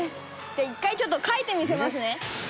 １回ちょっと描いてみせますね。